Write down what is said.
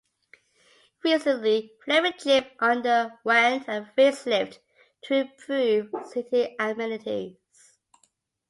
Recently, Fleming Gym underwent a facelift to improve seating amenities.